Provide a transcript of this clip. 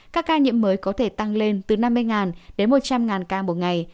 các ca nhiễm mới có thể tăng lên từ năm mươi đến một trăm linh ca một ngày